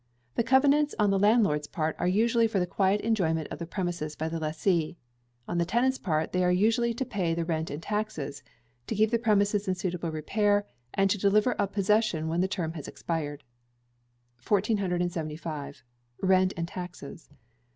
The covenants on the landlord's part are usually for the quiet enjoyment of the premises by the lessee. On the tenant's part, they are usually to pay the rent and taxes; to keep the premises in suitable repair; and to deliver up possession when the term has expired. 1475. Rent and Taxes.